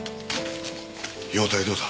容体はどうだ？